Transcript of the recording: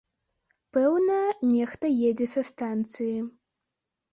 Пэўна, нехта едзе са станцыі.